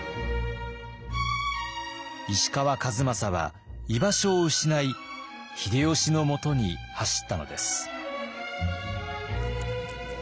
石川数正は居場所を失い秀吉のもとに走ったのです。